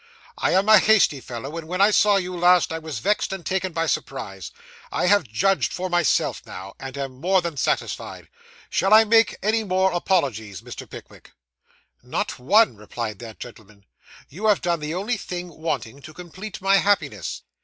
'I am a hasty fellow, and when I saw you last, I was vexed and taken by surprise. I have judged for myself now, and am more than satisfied. Shall I make any more apologies, Mr. Pickwick?' 'Not one,' replied that gentleman. 'You have done the only thing wanting to complete my happiness.